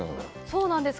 そうなんです。